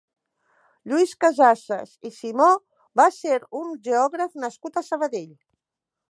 Lluís Casassas i Simó va ser un geògraf nascut a Sabadell.